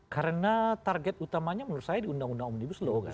karena target utamanya menurut saya di undang undang om dibuat loh kan